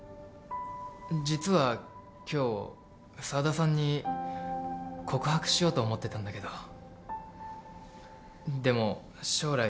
実は今日澤田さんに告白しようと思ってたんだけどでも将来